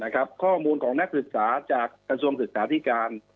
ข้อมูลของนักศึกษาจากกระทรวงศึกษาธิการ